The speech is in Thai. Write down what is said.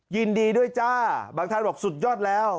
ยินดีด้วยจ้าบางท่านบอกสุดยอดแล้ว